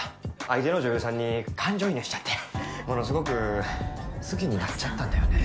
相手の女優さんに感情移入しちゃってものすごく好きになっちゃったんだよね。